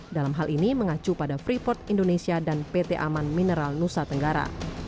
dalam hal ini mengacu pada freeport indonesia dan pt aman mineral nusa tenggara